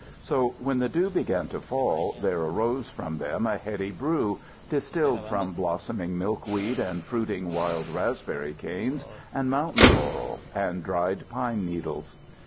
So, when the dew began to fall, there arose from them a heady brew, distilled from blossoming milkweed and fruiting wild raspberry canes and mountain laurel and dried pine needles.